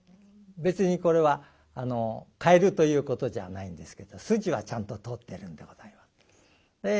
別にこれは変えるということじゃないんですけど筋はちゃんと通ってるんでございます。